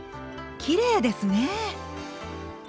きれいですね。